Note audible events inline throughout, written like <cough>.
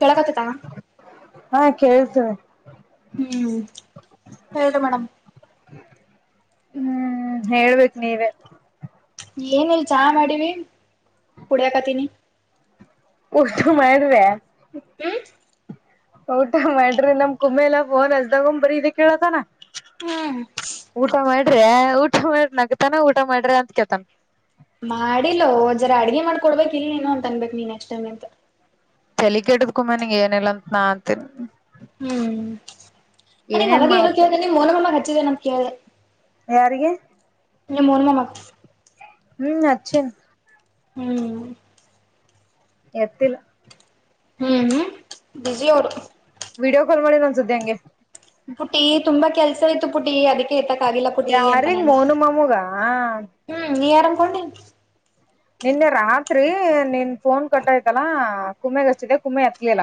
ಕೆಳಕತ್ತತ ಹಾ ಕೇಳ್ಸ್ತಿದೆ. ಹ್ಮ್ ಹೇಳ್ರಿ ಮೇಡಮ್. ಹ್ಮ್ ಹೇಳ್ಬೇಕ್ ನೀವೆ. ಏನ ಇಲ್ಲಾ ಚಾಹ ಮಾಡೀವಿ ಕುಡ್ಯಕತೀನಿ. ಊಟ ಮಾಡಿರ್ಯ. ಹಮ್. ಊಟ ಮಾಡ್ರಿ ಏನ ನಮ್ ಕುಮ್ಮೆಲ್ಲಾ ಫೋನ್ ಅಚ್ಚಿದಾಗ ಒಮ್ಮಿ ಬರೀ ಇದ ಕೇಳತಾನ. ಹ್ಮ್. ಊಟ ಮಾಡ್ರಿಯಾ ಊಟ ಮಾಡ್ರಿ ನಗ್ತಾನ ಊಟ ಮಾಡ್ರಿ ಅಂತ ಕೇಳ್ತಾನ. ಮಾಡಿಲ್ಲೋ ಜರ ಅಡಗಿ ಮಾಡ್ಕೊಡ್ಬೇಕು ಇಲ್ ನೀನು ಅಂತ ಅನ್ಬೇಕ ನೀ ಅಷ್ಟೇ ಮತ್ತ. ತೇಲಿ ಕೆಟ್ಟದ ಕುಮ್ಯನಿಗಿ ಏನಿಲ್ಲ ಅಂತ ನಾ ಅಂತಿನಿ. ಹ್ಮ್ ನನಗ್ ಏನೇನ್ ಅವಾಗೆ ಏನು ಮಾಡತ್ತೆ ಕೇಳಿದೆ ನಿಮ್ ಮೌಲಾಲಿ ಅಣ್ಣ ಹಚ್ಚಿದ ಏನ ಅಂತ ಕೇಳಿದೆ. ಯಾರಿಗೆ. ನಿಮ್ಮ ಅಮ್ಮಗ. ಹ್ಮ್ ಅಚ್ಚ. ಹ್ಮ್. ಏತಿಲ್ಲ. ಹ್ಮ್ ಹ್ಮ್ ಬಿಜಿ ಅವರು. ವಿಡಿಯೋ ಕಾಲ್ ಮಾಡಿಸತ ಅಂಗೆ. ಪುಟಿ ತುಂಬಾ ಕೆಲ್ಸ ಇತ್ತು ಪುಟಿ ಅದಕ್ಕೆ. ಎತಕ್ಕ ಆಗಿಲ್ಲ ಪುಟ್ಟಿ ಅಂತ ಯಾರಿಗ್ ನಾನು ಮೋನು ಮಾಮೂಗ ಹ್ಮ್ ನೀ ಯಾರ್ ಅನ್ಕೊಂಡಿ. ನಿನ್ನೆ ರಾತ್ರಿ ನಿನ್ ಫೋನ್ ಕಟ್ಟೈತಲ್ಲಾ ಕುಮ್ಮೆಗೆ ಅಚ್ಚಿದೆ ಕುಮ್ಮೆ ಎತ್ಲಿಲ್ಲ.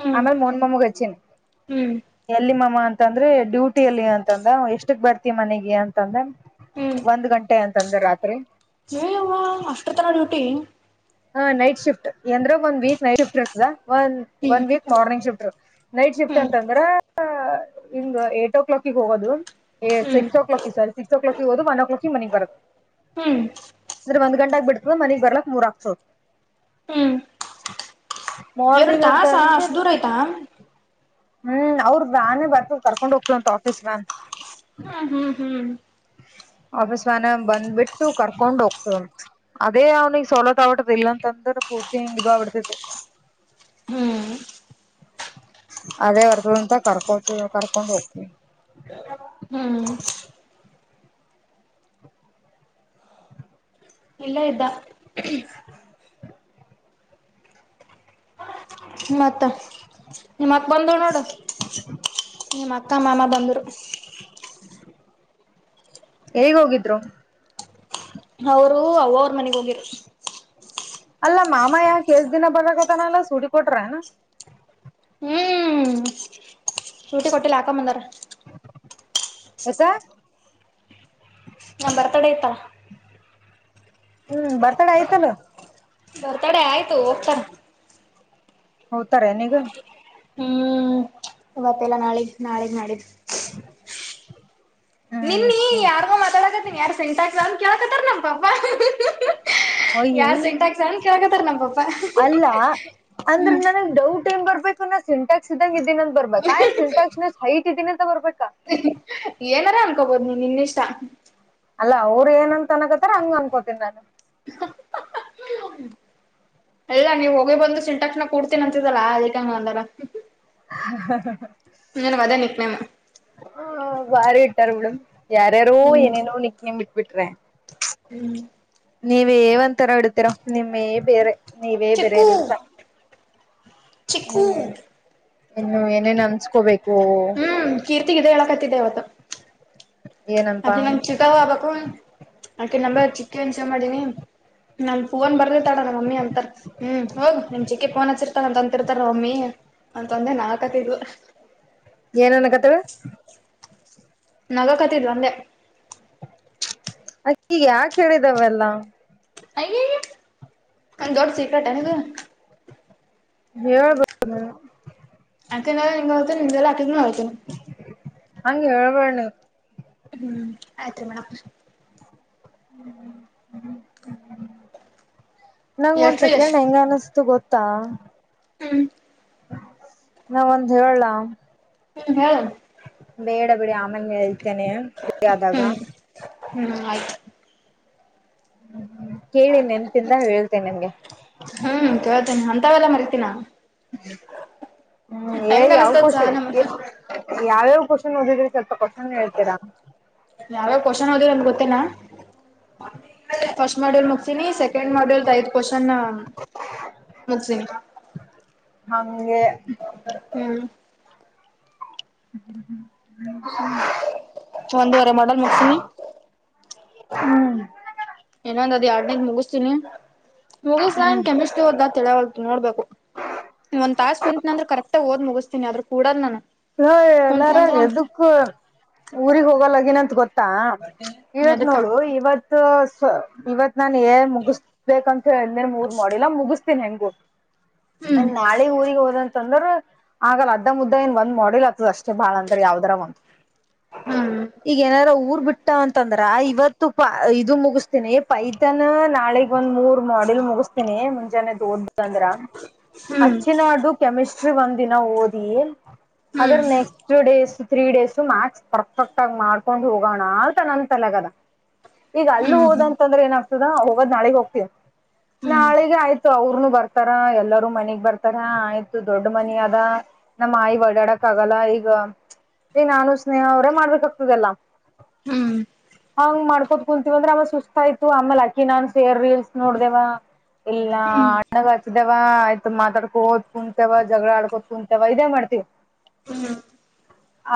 ಹ್ಮ್ ಆಮೇಲೆ ಮೋನ್ ಮಾಮಗ ಅಚ್ಚಿನ ಹ್ಮ್ ಎಲ್ಲಿ ಮಾಮಾಂತ. ಅಂತಂದ್ರೆ ಡ್ಯೂಟಿ ಅಲ್ಲಿ ಅಂತಂದ ಎಷ್ಟಕ್ ಬರ್ತಿ ಮನೆಗ ಅಂತಂದ. ಹ್ಮ್ ಒಂದ್ ಗಂಟೆ ಅಂತಂದ್ರ ರಾತ್ರಿ. ಏ ಯವ್ವ ಅಷ್ಟರತನ ಡ್ಯೂಟಿ. ಹ ನೈಟ್ ಶಿಫ್ಟ್ ಎಂದ್ರ ಒನ್ ವೀಕ್ ನೈಟ್ ಶಿಫ್ಟ್ ಇರ್ತದ ಒ ಒನ್ ಹ್ಮ್ ವೀಕ್ ಮಾರ್ನಿಂಗ್ ಶಿಫ್ಟ್ ಇರತದ. ನೈಟ್ ಶಿಫ್ಟ್ ಹ್ಮ್ ಅಂತಂದ್ರ ಹಿಂಗ್ ಏಟ್ ಓ ಕ್ಲಾಕಗಿ ಹೋಗೋದು. ಎ ಹ್ಮ್ six o'clock sorry six ಓ ಕ್ಲಾಕಿಗಿ ಹೋಗಿ ಒನ್ ಓ ಕ್ಲಾಕಿಗಿ ಮನೆಗ್ ಬರದು. ಹ್ಮ್. ಅಂದ್ರ ಒಂದ ಗಂಟಗ್ ಬಿಡತದ ಮನಿಗ ಬರ್ಲಕ್ರ ಮೂರ. ಹ್ಮ್ ಎರಡು ಮಾರ್ನಿಂಗ್ ಅಂತ ತಾಸ ಅಂದ್ರ. ಅಷ್ಟು ದೂರ ಆಯ್ತಾ ಹ್ಮ್ ಹ್ಮ್ ಅವ್ರರ ವ್ಯಾನೇ ಬರ್ತದ ಕರ್ಕೊಂಡ್ ಹೊಕ್ತವ ಅಂತ ಆಫೀಸ್ ವ್ಯಾನ್. ಹ್ಮ್ ಹ್ಮ್. ಆಫೀಸ್ ವ್ಯಾನ್ ಬಂದ್ಬಿಟ್ಟು ಕರ್ಕೊಂಡ್ ಹೋಗ್ತದ ಅಂತ. ಅದೇ ಅವ್ನಿಗ ಸೋಲತ್ ಆಗಬೀಟದ ಇಲ್ಲ ಅಂತಂದ್ರ ಪೂರ್ತಿ ಹಿಂಗ ಇದು ಆಗಡ್ತಿತ್ತು. ಹ್ಮ್ ಹ್ಮ್. ಅದೇ ಬರ್ತದಂತ ಕರ್ಕೊತೀವ ಕರ್ಕೊಂಡ್ ಹೋಗ. ಹ್ಮ್. ಇಲ್ಲೆ ಇದ್ದ. ಮತ್ತ ನಿಮ್ಮಕ್ ಬಂದಳು ನೋಡ. ನಿಮ್ಮಕ್ಕ ಮಾಮ ಬಂದ್ರು. ಎಲ್ಲಿಗಿ ಹೋಗಿದ್ರು. ಅವರು ಅವ್ರ ಮನೆಗ ಹೋಗಿದ್ದರ. ಅಲ್ಲ ಮಾಮ ಯಾಕ ಎಸ ದಿನ ಬರಲಕತನ್ ಸುಟಿ ಕೊಟ್ರೇನ. ಶೂಟಿ ಕೊಟ್ಟಿಲ್ಲ ಹಾಕಂದ ಬಂದಾರ. ಯಾಕ. ನಮ್ಮ ಬರ್ತಾಡೆ ಇತ್ತಲ. ಹ್ಮ್ ಬರ್ತಡೆ ಆಯ್ತಿಲ್ಲ ಬರ್ತಡೆ ಆಯ್ತು ಹೋಗ್ತಾರ್ ಹೋತಾರೆನೀಗ ಹ್ಮ್ ಇವತ್ತ್ ಇಲ್ಲಾ ನಾಳೆಗ್ ನಾಳೆಗ್ ನಾಡಿದ್ದ್ ಹ್ಮ್ ನಿನ್ನೀ ಯಾರಗೋ ಮಾತಾಡಕತ್ತೀನಿ ಯಾರ್ ಸಿಂಟ್ಯಾಕ್ಸ್ ಅಂತ್ ಕೇಳಾಕತ್ತಾರ ನಮ್ ಪಪ್ಪಾ ಹ್ಹಿ ಹ್ಹಾ ಹ್ಹಾ <unintelligible> ಯಾರ್ ಸಿಂಟ್ಯಾಕ್ಸ್ ಅಂತ್ ಕೆಳಾತಾರ್ ನಮ್ ಪಪ್ಪಾ ಅಲ್ಲಾಅಂದ್ರೆ ನನಗ್ ಡೌಟ್ ಏನ್ ಬರ್ಬೇಕು ನಾ ಸಿಂಟ್ಯಾಕ್ಸ್ ಇದಂಗ ಇದ್ದೀನ ಬರ್ಬೇಕಾ ಏನ್ ಸಿಂಟ್ಯಾಕ್ಸ್ ಅಷ್ಟ ಹೈಟ್ ಇದೀನಿಂತ ಬರ್ಬೇಕಾ <unintelligible> ಏನಾರ ಅನ್ಕೋಬೋದು ನೀ ನಿನ್ನಿಷ್ಟಾ ಅಲ್ಲ ಅವ್ರ ಏನ ಅಂತ ಅನ್ನಾಕತ್ತಾರ ಹಂಗ ಅನ್ಕೋತಿನಿ ನಾನು ಇಲ್ಲ ನೀವ್ ಹೋಗಿ ಬಂದು ಸಿಂಟ್ಯಾಕ್ಸ್ನ ಕೂಡ್ತೀನ ಅಂತಿದಲ್ಲಾ ಅದಕ್ಕೆ ಹಂಗ ಅಂದಾರ ಹ ಹಾ ಹ ಹ ನಿನ್ಗ ಅದೆ ನಿಕ್ ನೆಮ್ ಹ ಬಾರಿ ಇಟ್ಟಾರ ಬಿಡ ಯಾರ್ಯಾರೂ ಹ್ಮ್ ಏನೇನೋ ನಿಕ್ ನೆಮ್ ಇಟ್ಬಿಟ್ರೆ ಹ್ಮ್. ನೀವೇ ಒಂತರ ಇಡಡ್ತೀರಾ ನಿಮ್ಮೇ ಬೇರೆ ನೀವೇ ಬೇರೆ ಚಿಕ್ಕು ನಿಮ್ ಚಿಕ್ಕು <unintelligible> ಇನ್ನು ಏನೇನ್ ಅನ್ಸ್ಕೋಬೇಕೋ ಹ್ಮ್ ಕೀರ್ತಿಗೆ ಇದೆ ಹೇಳಕತ್ತಿದ್ದೆ ಇವತ್ತು ಏನಂತ ಅಕಿ ನಮ್ ಚಿಗವ್ವಾ ಆಗ್ಬೆಕು ಆಕಿ ನಂಬರ್ ಚಿಕ್ಕಿ ಅಂತ್ ಸೆಲ್ ಮಾಡೆನಿ ನನ ಫೋನ್ ಬರ್ದತಳ ನಮ್ಮ ಮಮ್ಮಿ ಅಂತಾ ಹ್ಮ್ ಹೋಗ್ ನಿಮ್ ಚಿಕ್ಕಿ ಫೋನ್ ಹಚ್ಚಿರಿ ಅಂತ್ತಿರ್ತಾರೆ ನಮಮ್ಮಿ ಅಂತಂದೆ ನಗಾಕತ್ತಾದ್ಲು ಏನ್ನ್ನಾಕತ್ತಾಳ ನಗಾಕತ್ತಿದ್ಲ ಅಂದೆ ಅಕ್ಕೀಗ ಯಾಕ್ ಹೇಳಿದಾವೆಲ್ಲಾ ಅಯ್ಯಯ್ಯ ಏನ್ ದೊಡ್ ಸಿಕ್ರೆಟ್ ಏನ್ ಇದ ಹೇಳ್ <unintelligible> ಅಕಿನ <unintelligible> ನಿಂದ್ ಎಲ್ಲಾ ಅಕಿಗ್ನು ಹೆಳ್ತೆನಿ ಹಂಗ್ ಹೆಳ್ಬೆಡ್ ನಿ ಹ್ಮ್ ಆಯ್ತ್ರಿ ಮೇಡಮ್ <inaudible> ನಂಗ್ ಒಂದ್ ಎಷ್ಟ್ರಿ ಸೆಕೆಂಡ್ ಎಷ್ಟ್ ಹೆಂಗ ಅನಿಸ್ತು ಗೊತ್ತ್ ತ್ತಾ <unintelligible> ಹ್ಮ್. <inaudible> ನಾ ಒಂದ್ ಹೇಳಲಾ ಹ್ಮ ಹೆಳ್ ಬೇಡ ಬಿಡಿ ಆಮೇಲೆ ಹೇಳ್ತೇನೆ ಆದಾಗ ಹ್ಮ್ <unintelligible> ಹ್ಮ್ ಆಯ್ತು ಕೇಳಿ ನೆನ್ಪಿಂದ ಹೇಳ್ತಿನಿ ನಿಮ್ಗೆ ಹ್ಮ್ ಕೇಳ್ತೇನೆ ಹಂತವೆಲ್ಲ ಮರಿತೀನಾ <inaudible> ಹ್ಮ್ ಏ ಹೆಂಗ ಯಾವ್ ಅನಸ್ತದ ಚಾ ಖುಷಿ ನಮ್ಮ ಇಷ್ಟ ಯಾವ್ಯಾವ್ ಕ್ವೆಶ್ಚನ್ ಓದಿದ್ರಿ ಸ್ವಲ್ಪ ಕ್ವೆಶ್ಚನ್ ಹೇಳ್ತೀರಾ ಯಾವ್ಯಾವ ಕ್ವೆಶ್ಚನ್ ಓದಿನಿ ಅಂತ್ ಗೊತ್ತೇಲ್ಲಾ <unintelligible> ಫಸ್ಟ್ ಮಾಡಲ್ ಮುಗಸೆನಿ ಸೆಕೆಂಡ ಸೆಕೆಂಡ್ ಮಾಡೆಲ್ದ್ ಐದ್ ಕ್ವಶನ್ ಮುಗಸೀನಿ ಹಂಗೇ <unintelligible> ಹ್ಮ್. <inaudible> ಒಂದುವರೆ ಮಾಡಲ್ ಮುಗಸಿನಿ. ಹ್ಮ. ಇನೋದ್ ಅದ್ ಯಾಡ್ನದ್ ಮುಗಿಸ್ತಿನೀ ಮುಗಿಸ್ ನಾ ಹ್ಮ್ ಕೆಮಿಸ್ಟ್ರಿ ಓದ್ಲಾ ತಿಳ್ಯವ್ಲ್ತ್ ನೋಡ್ಬೇಕು. ಒಂದ ತಾಸ್ ಕುಂತ್ನ್ ಅಂದ್ರ ಕರೆಕ್ಟ ಓದ್ ಮುಗಿಸ್ತೀನಿ ಆದ್ರ ಕೂಡಲ್ ನಾನ್. ಹೇಏ ಎಲ್ಲಾರ ಎದಕ್ಕ ಊರಿಗಿ ಹೋಗಲ್ಲಾಗಿನಿನಂತ ಗೊತ್ತ ತ್ತಾ ಇವತ್ ಅದಕ್ಕ ನೋಡು ಇವತ್ತ್ ಇವತ್ ನಾನ್ ಏ ಮುಗಿಸಬೇಕಂತ ಹೇಳನೇ ಮೂರ್ ಮಾಡಿಲ್ಲ ಮುಗಿಸ್ತಿನಿ ಹೆಂಗು. ಹ್ಮ್ ನಾಳೆ ಊರಿಗೆ ಹೋದಂತಂದ್ರ ಆಗಲ್ಲ ಅದ್ದ ಮುರ್ದ್ದ ಏನ್ ಒಂದ್ ಮಾಡ್ಯೂಲ್ ಆಗ್ತದ ಅಷ್ ಬಾಳ ಅಂದ್ರ ಯಾವ್ದರ ಒಂದ್ ಹ್ಮ್ ಈಗ ಏನಾರ ಊರ್ ಬಿಟ್ಟ ಟಾ ಅಂತಂದ್ರ ಇವತ್ತು ಪ ಇದು ಮುಗಿಸತೀನಿ. ಪೈತಾನ ನಾಳೀ ಒಂದ್ ಮೂರ್ ಮಾಡ್ಯೂಲ್ ಮುಗ್ಸುತೀನಿ. ಮುಂಜಾನೆ ಎದ್ದು ಓದ್ರಾ ಅಂದ್ರ ಹ್ಮ್ ಅಚ್ಚಿ ನಾಡ್ದು. ಕೆಮಿಸ್ಟ್ರಿ ಒಂದ ದಿನ ಓದಿ. ಅದ್ರ next two days three days max perfect ಆಗ ಮಾಡ್ಕೊಂಡು ಹೋಗೋಣ ಅಂತ ನನ್ ತಲೆಗ ಆದ. ಈಗ ಅಲ್ಲ ಹ್ಮ್ ಹೋದ ಅಂತದ್ರ ಏನಾಗ್ತದಾ ಹೋಗದ ನಾಳಿಗಿ ಹೋಗ್ತನಿ. ಹ್ಮ್ ಹ್ಮ್ ನಾಳಿಗಿ ಆಯ್ತು ಅವ್ರನು ಬರ್ತಾರ ಎಲ್ಲರೂ ಮನಿಗ್ ಬರ್ತಾರ ಆಯ್ತು ದೊಡ್ಡ ಮನಿ ಆದ. ನಮ್ಮ್ ಆಯಿ ವ್ಳ್ ಓಡ್ಯಾಡಕ್ಕ ಆಗಲ್ಲ ಈಗ ಈ ನಾನು ಸ್ನೇಹ ಅವರೇ ಮಾಡ್ಬೇಕಾಗ್ತದ ಎಲ್ಲ. ಹ್ಮ್. ಹಂಗ್ ಮಾಡ್ಕೋತ ಕುಂತೀವಿ ಅಂದ್ರ ಆಮೇಲ ಸುಸ್ತು ಆಯಿತು ಆಮೇಲೆ ಅಕಿ ನಾನ್ ಸೇರ್ ರೀಲ್ಸ್ ನೋಡ್ದೇವ. ಇಲ್ಲ ಹ್ಮ್ ಅಣ್ಣಗ ಹಚ್ಚಿದೇವಾ, ಆಯ್ತು ಮಾತಾಡ್ಕೋತ ಕುಂತೆವ. ಜಗಳ ಆಡ್ಕೋತ ಕುಂತೇವ, ಇದೇ ಮಾಡ್ತೀವಿ. ಹ್ಮ್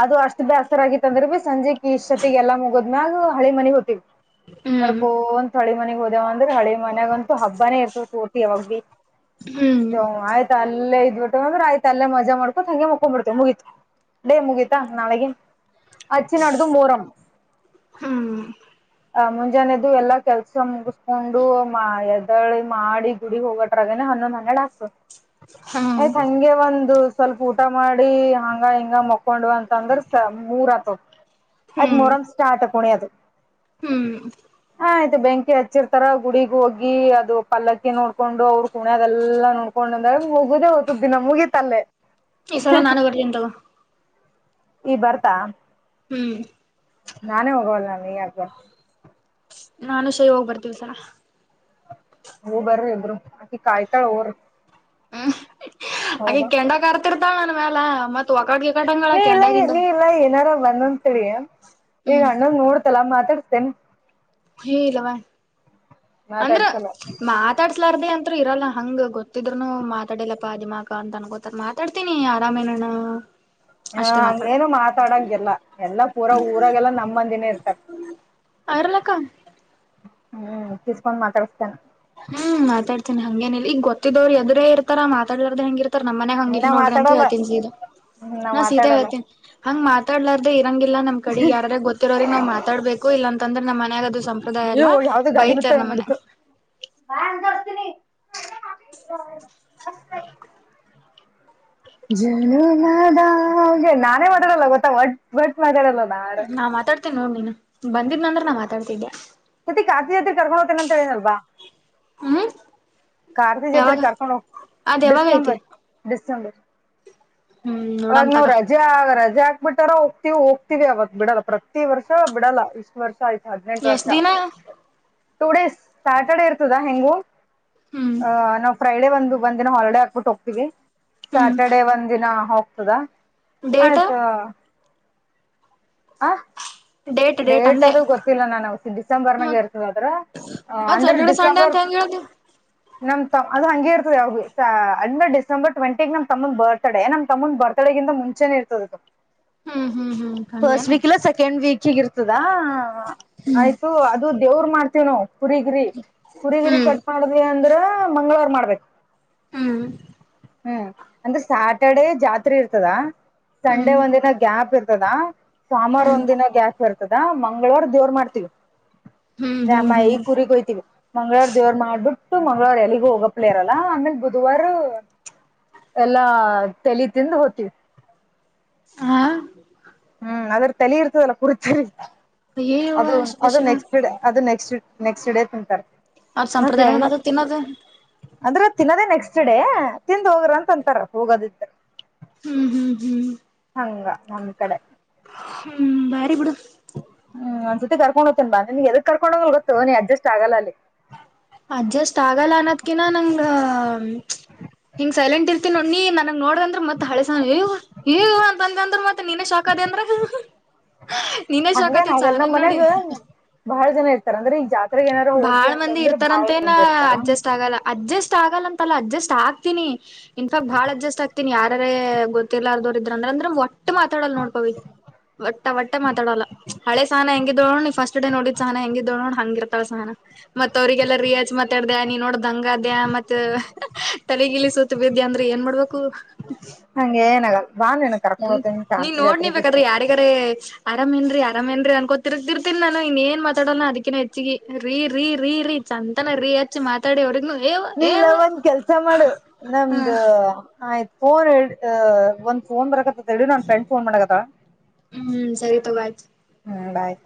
ಅದು ಅಷ್ಟ್ ಬ್ಯಾಸ್ರ ಆಗಿತ್ತಂದ್ರ ಬಿ ಸಂಜಿಕೀ ಇಸ್ಟೋತಿಗೆ ಎಲ್ಲ ಮುಗದಮ್ಯಾಗ್ ಹಳಿ ಮನಿಗಿ ಹೋತೀವಿ. ಹ್ಮ್ ನಡ್ಕೊಂತ್ ಹಳಿ ಮನಿಗಿ ಹೋದೇವ ಅಂದ್ರ ಹಳಿ ಮನ್ಯಗಂತೂ ಹಬ್ಬನೇ ಇರ್ತದ ಪೂರ್ತಿ ಯಾವಾಗ ಬೀ. ಹ್ಮ್ ಆಯ್ತ ಅಲ್ಲೇ ಇದ್ ಬಿಟ್ಟವಿ ಅಂದ್ರ ಆಯ್ತ ಅಲ್ಲೇ ಮಜಾ ಮಾಡ್ಕೊತ್ ಹಂಗೆ ಮುಕ್ ಮಾಕೋಬೀಡ್ತವಿ ಮುಗೀತ ಡೇ ಮುಗಿತಾ ನಾಳಿಗಿ. ಅಚೀ ನಾಡ್ದು ಮೋರಂ. ಹ್ಮ್ ಆ ಮುಂಜಾನಿ ಎದ್ದು ಎಲ್ಲಾ ಕೆಲ್ಸ ಮುಗಸಕೊಂಡು ಮ ಎದಳ್ಳಿ ಮಾಡಿ. ಗುಡಿ ಹೋಗಟ್ರಗನೆ ಹನ್ನೊಂದ್ ಹನ್ನೆಡ ಆಗ್ತದ. ಆಯ್ತ್ ಹ್ಮ್ ಹಂಗೆ ಒಂದು ಸ್ವಲ್ಪ ಊ ಊಟ ಮಾಡಿ ಹಂಗ ಹಿಂಗ ಮಕೊಂಡಿವಿ ಅಂತ ಅಂದ್ರ ಮೂರ ಆತ್ದ. ಆಯ್ತ್ ಹ್ಮ್ ಮೊರಂ ಸ್ಟಾರ್ಟ ಕೂಣೇದು. ಹ್ಮ್. ಹ ಆಯ್ತು ಬೆಂಕಿ ಹಚ್ಚಿರ್ತಾರ ಗುಡಿಗಿ ಹೋಗಿ ಅದು ಪಲ್ಲಕ್ಕಿ ನೋಡ್ಕೊಂಡು. ಅವ್ರ ಕುಣ್ಯದೆಲ್ಲಾ ನೋಡ್ಕೊಂಡ. <unintelligible> ಮುಗುದೇ ಹೋತ್ದ ದಿನ ಮುಗೀತಲ್ಲೇ. ಈ ಸಲ ನಾನು ಬರ್ತೀನ್ ತಗೋ. ಈ ಬರ್ತಾ. ಹ್ಮ್. ನಾನೇ ಹೋಗೋವಲ್ಯ ನೀ ಯಾಕ್ ಬರ್ತಿ. ನಾನು ಶೈ ಹೋಗ್ ಬರ್ತೀವಿ ಇ ಸಲಾ. ಹೂ ಬರ್ರಿ ಇಬ್ರು ಅಕಿ ಕಾಯ್ತಾಳ ಹೋರಿ. ಹೋಗ್ ಅಕಿ ಬಾ. ಕೆಂಡ ಕಾರ್ತಿರ್ತಿಳ ನನ್ ಮ್ಯಾಲ. ಮತ್ತ ನೀ ಇಲ್ಲ ನೀ ಇಲ್ಲ ಏನಾರ ಬಂದಂತ ತಿಳಿ. ಈಗ ಹ್ಮ್ ಅಣ್ಣಂದ್ ನೋಡ್ ಸಲ ಮಾತಡ್ಸ್ಡ್ತೇನ. ಹೇ ಇಲ್ಲವಾ. ಅಂದ್ರ ಮಾತಾಡ್ಸಲ್ಲ ಮಾತ್ ಮಾತಾಡ್ಸ್ಲರ್ದೇ ಅಂತರು ಇರಲ್ಲ ಹಂಗ ಗೊತ್ತಿದ್ರುನು ಮಾತಾಡಿಲ್ಲಪ್ಪ ದಿಮಾಕ ಅಂತ ಅನ್ಕೋತಾರ. ಮಾ ತಡ್ತೀನಿ ಆರಾಮೇನಣ್ಣ. ಹಾ ಅಷ್ಟೇ ಹಂಗ ಮಾತಾಡ ಏನು ಮಾತಾಡಂಗಿಲ್ಲ ಎಲ್ಲಾ ಪೂರಾ ಊರಾಗೆಲ್ಲ ನಮ್ಮ ಮಂದಿನೇ ಇರ್ತರ. ಆರಲೆಕ್ಕ. ಹ್ಮ್ ಕೀಸ್ಕೊಂಡು ಮಾತಾಡಸ್ತಾನ. ಹ್ಮ್ ಮಾತಾಡ್ತೀನಿ ಹಂಗೇನಿಲ್ಲ ಈಗೊತ್ತಿದ್ದೋರು ಎದರೆ ಇರ್ತಾರ ಮಾತಾಡ್ಲರ್ದೇ ಹೆಂಗಿರ ರ್ ನಮ್ಮ ಮನೆಗ್ ಹಂಗ ಇಲ್ ನಾ ನೋಡ್ರಿ ಅಂತ ಮಾತಾಡಲ್ಲ ಹೇಳ್ತೀನಿ ಸೀದಾ ಹ್ಮ್ ನಾ ಸೀದಾ ಮಾತಾಡಲ್ಲ ಹೇಳ್ತೀನಿ. ಹಂಗ್ ಮಾತಾಡ್ಲಾರ್ದೇ ಇರಂಗಿಲ್ಲ ನಮ್ ಕಡಿ ಯಾರ ಗೊತ್ತಿರೋರಿಗ್ ನಾವ್ ಮಾತಾಡ್ಬೇಕು ಇಲ್ಲ ಅಂತ ಅಂದ್ರ ನಮ್ ಮನ್ಯಾಗ ಅದು. ಸಂಪ್ರದಾಯಲ್ಲ ಬೈತಾರ ನಮ್ಮನ್ಯಾ ಬ್ಯಾಸ್ತೀನಿ <unintelligible> ಜುನುಮದಾ ಗೆಳ ನಾನೇ ಮಾತಾಡಲ್ಲ ಗೊತ್ತಾ ಒಟ್ ಒಟ್ ಮಾತಾಡಲ್ಲ ನಾರ. ನಾ ಮಾತಾಡ್ತೀನ ನೋಡ್ ನೀನ್ ಬಂದಿದ್ ನಂದ್ರ ನಾ ಮಾತಾಡ್ತಿದ್ದೆ. ಮತ್ತೆ ಕಾಶಿ ಯಾತ್ರೆಗ ಕರ್ಕೊಂಡು ಹೋತಿನಂತ್ ಹೇಳಿನಲ್ವ. ಹ್ಮ ಕಾರ್ತಿ ಜಾತ್ರಿಗ ಕರ್ಕೊಂಡು ಹೋಗ್ ಅದ್ ಯಾವಾಗ ಐತಿ ಡಿಸೆಂಬರ್. ಡಿಸೆಂಬರ್ ಹ್ಮ್ ನೋಡಮ್ ಅವಗ್ನು ತಗ ರಜ ಜ ರಜಾ ಹಾಕ್ ಬಿಟ್ಟಾರ ಹೋಗ್ತಿವಿ ಹೋಗ್ತಿವಿ ಅವತ್ ಬಿಡಲ್ಲ ಪ್ರತಿ ವರ್ಷ ಬಿಡಲ್ಲ ಇಷ್ಟು ವರ್ಷ ಆಯ್ತು. ಹದ್ನೆಂಟ ವರ್ಷ ಎಷ್ಟ್ ದಿನ ಟೂ ಡೇಸ್ ಸ್ಯಾಟರ್ಡೇ ಇರ್ತದಾ ಹೆಂಗು. ಹ್ಮ್ ಅ ನಾವು ಫ್ರೈಡೆೇ ಒಂದು ಒಂದಿನ ಹಾಲಿಡೇ ಹಾಕ್ಬಿಟ್ಟು ಹೋಗ್ತೀವಿ ಹ್ಮ್ ಸ್ಯಾಟರ್ಡೆ ಒಂದಿನ ಹೋಗ ತದಾ ಡೇಟ್ ಆಯ್ತು. ಆ <unintelligible> ಡೇಟ್ ಅದು ಗೊತ್ತಿಲ್ಲ ನಾನ ಡಿಸೆಂಬರ್ನಾಗ ಮತ್ ಇರ್ತದ ಅಂತರ ಅದ್ ಅಂದ್ರ ಸ್ಯಾಟರ್ಡೆ ಸಂಡೆ ಡಿಸೆಂಬರ್. ಅಂತ ಹೆಂಗ ಹೇಳ್ದಿ ಹ <unintelligible> ನಮ್ ತಮ್ ಅದು ಹಂಗೆ ಇರ್ತದ ಯವಗ್ಬಿ ಅಂದ್ರ ಡಿಸೆಂಬರ್ ಟ್ವೆಂಟಿಗ ನಮ್ ತಮ್ಮನ ಬರ್ತ್ಡೇ ನಮ್ ತಮ್ಮನ್ ಬರ್ ತಡೆಗಿಂತ ಮುಂಚೆ ಇರ್ತದ ಹ್ಮ್ ಹ್ಮ್ ಹ್ಮ್ ಫಸ್ಟ್ ಹಂಗೇನ ವೀಕ್ ಇಲ್ಲ ಸೆಕೆಂಡ್ ವೀಕ್ ಹೆಚ್ಚಿಗಿರ್ತದಾ ಆಯ್ತು ಅದು ದೇವ್ರ ಮಾಡ್ತೇವನವು. ಕುರಿಗಿರಿ ಕುರಿಗಿರಿ ಹ್ಮ್ ಕಟ್ ಮಾಡದ್ವಿ ಅಂದ್ರ ಮಂಗಳವಾರ ಮಾಡ್ಬೇಕು. ಹ್ಮ್ ಹ್ಮ್ ಅಂದ್ರೆ ಸ್ಯಾಟರ್ಡೇ ಜಾತ್ರಿ ಇರ್ತದ ಸಂಡೆ ಹ್ಮ್ ಒಂದಿನ ಗ್ಯಾಪ್ ಇರ್ತದ. ಸ್ವಾಮರ ಹ್ಮ್ ಒಂದ ದಿನ ಗ್ಯಾಪ ಇರ್ತದ ಮಂಗಳವಾರ ದೇವ್ರ ಮಾಡ್ತೀವಿ. ಹ್ಮ್ ರಾಮ ಹ್ಮ್ ಈ ಹ್ಮ್ ಕುರಿ ಕೊಯ್ತೀವಿ. ಮಂಗಳರ ದೇವ್ರ ಮಾಡ್ಬಿಟ್ಟು ಮಂಗಳರ ಎಲ್ಲಿಗ ಹೋಗಪ್ಲೇ ಇರಲ್ಲಾ ಆಮೇಲ್ ಬುಧವಾರ್. ಎಲ್ಲಾ ತೆಲಿ ತಿಂದು ಹೋತೀವಿ. ಹಾ ಹ್ಮ್ ಅದ್ರ ತಲಿ ಇರ್ತದಲ್ಲ ಕುರ್ತೀರಿ ಅಯ್ಯವ್ವ ಅದು ಶಿವ ಅದು ಶಿವ ನೆಕ್ಸ್ಟ್ ಡೇ ಅದು ನೆಕ್ಸ್ಟ್. ನೆಕ್ಸ್ಟ್ ಡೇ ತಿಂತಾರ. ಅವ್ರ ಸಂಪ್ರದಾಯ ಏನದು ತಿನ್ನೋದು. ಅಂದ್ರ ತಿನ್ನೋದೇ ನೆಕ್ಸ್ಟ್ ಡೇ ತಿಂದ ಹೋಗ್ರಂತ ಅಂತಾರ ಹೋಗದಿದ್ರ. ಹ್ಮ್ ಹ್ಮ್ ಹ್ಮ್ ಹಂಗ ನಮ್ಕಡೆ. ಹ್ಮ ಬಾರಿ ಬಿಡು. ಹ್ಮ್ ಒಂದಸರ್ತಿ ಕರ್ಕೊಂಡ ಹೋಗ್ತಿನ್ ಬಾ ನಿನ್ ಎದಕ್ ಕರ್ಕೊಂಡ ಹೋಗಲ್ ಗೊತ್ತು ನೀ ಅಡ್ಜಸ್ಟ್ ಆಗಲ್ಲ ಅಲ್ಲಿ. ಅಡ್ಜಸ್ಟ್ ಆಗಲ್ಲ ಅನ್ನೋದ್ಕಿನ ನಂಗ ಹಿಂಗ ಸೈಲೆಂಟ್ ಇರ್ತಿನ್ ನೋಡ್ ನೀ ನನಗ ನೋಡ ಅಂದ್ರ ಮತ್ತ ಹಳೆಸ ಏವ್ ಏವ್ ಅಂತ ಅಂದ್ರ ಮತ್ತ ನೀನೇ ಶಾಕ್ ಆದಿ ಅಂದ್ರ. ಹಾ ನೀನೆ ಶಾಕತಿ ಸಹನುನ್ ನೋಡಿ. ಬಹಳ್ ಜನ ಇರ್ತರ ಅಂದ್ರೆ ಇಲ್ ಜಾತ್ರೆಗೆನರ ಹೋದ್ವಿ ಅಂತಂದ್ರೆ. ತರಂತೇನಾ ಅಡ್ಜಸ್ಟ್ ಆಗಲ್ಲ. ಅಡ್ಜಸ್ಟ್ ಆಗಲ್ಲಂತಲ್ಲ ಅಡ್ಜಸ್ಟ್ ಆಗ್ತೀನಿ ಇತಾವ್ ಬಾಳ್ ಅಡ್ಜಸ್ಟ್ ಆಗ್ತೀನಿ ಯಾರರೆ ಗೊತ್. ಗೊತ್ತಿಲರ್ದೋರ್ ಇದ್ದಾಂದ್ರೆ ಒಟ್ ಮಾತಾಡಲ್ ನೋಡ್ ಪವಿ. ಒಟ್ಟ ಒಟ್ಟ ಮಾತಾಡಲ್ಲ ಹಳೆ ಸಾನ ಹೆಂಗಿದ್ಲು ನೋಡ್ ನಿನ್ ಫಸ್ಟ್ ಡೇ ನೋಡಿದ್. ಸಹನ ಹೆಂಗಿದ್ಲು ನೋಡ್ ಹಂಗಿರ್ತಾಳೆ ಸಹಾನ. ಅವ್ರರಿಗೆಲ್ಲಾ ರಿಯಾಜ್ ಮಾತಾಡ್ದ ನೀ ನೋಡ್ ದಂಗದ್ಯ ಮತ್ತ ತಲೆಗಿಲಿ ಸುತ್ ಬಿದ್ಯಾ ಅಂದ್ರ. ಏನ್ ಮಾಡ್ಬಕು. ಹಂಗೇನ್ ಏಳಲ್ ಬಾನಿನುನ್ ಕರ್ಕೊಂಡ್ ಹೋಗ್ತೇನ್ <unintelligible> ಜಾತ್ರಿಗೆ. <unintelligible> ಅರಾಮೆನ್ರೀ ಅರಾಮೇನ್ರಿ ಅನ್ಕೊತಿರ್ತಿರ್ತಿನ್ ನಾನು ಇನ್ ಏನ್ ಮಾತಾಡನ ಅದಕ್ಕಿನ ಹೆಚ್ಗಿ ರೀ ರೀ ರೀ. ಸಂತನ ರಿ ಹಚ್ಚಿ ಮಾತಾಡವರಿಗ್ಲೂ ಯೇ ಅವ. ನೀಲ್ಲ ಒಂದ್ ಕೆಲ್ಸ ಮಾಡು ನಂದು ಆ <unintelligible> ಒಂದ್ ಫೋನ್ ಬರಕತತ್. ತಡಿ ನನ್ ಫ್ರೆಂಡ್ ಫೋನ್ ಮಾಡಕತಾಳ ಹ್ಮ್ ಸರಿ ತಗೋ ಆಯ್ತು ಹ್ಮ ಬಾಯ್.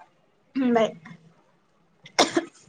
ಹ್ಮ್ ಬಾಯ್.